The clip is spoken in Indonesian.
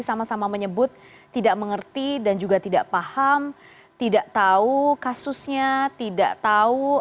sama sama menyebut tidak mengerti dan juga tidak paham tidak tahu kasusnya tidak tahu